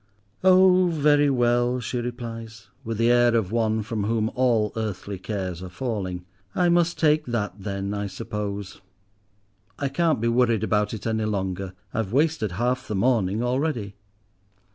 "Oh, very well," she replies, with the air of one from whom all earthly cares are falling, "I must take that then, I suppose. I can't be worried about it any longer. I've wasted half the morning already."